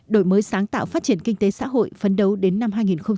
đổi mới sáng tạo phát triển kinh tế xã hội phấn đấu đến năm hai nghìn ba mươi